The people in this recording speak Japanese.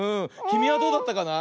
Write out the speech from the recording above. きみはどうだったかな？